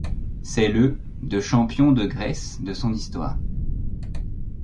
C'est le de champion de Grèce de son histoire.